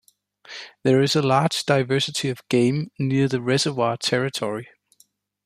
There is a large diversity of game near the reservoir territory.